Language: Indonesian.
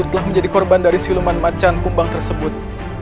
telah menjadi korban dari siluman macan kumbang tersebut